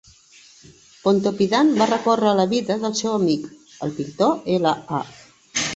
Pontoppidan va recórrer a la vida del seu amic, el pintor L. A.